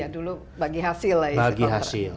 ya dulu bagi hasil lah bagi hasil